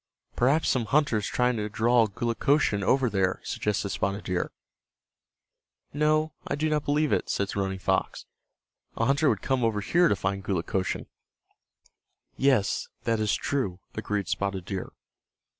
"Perhaps some hunter is trying to draw Gulukochsun over there," suggested Spotted Deer. "No, I do not believe it," said Running Fox. "A hunter would come over here to find Gulukochsun." "Yes, that is true," agreed Spotted Deer.